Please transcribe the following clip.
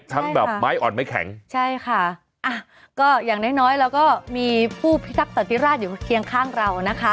ทั้งแบบไม้อ่อนไม้แข็งใช่ค่ะอ่ะก็อย่างน้อยน้อยเราก็มีผู้พิทักษันติราชอยู่เคียงข้างเรานะคะ